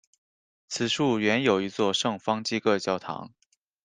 此处原有一座圣方济各教堂。